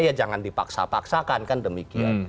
ya jangan dipaksa paksakan kan demikian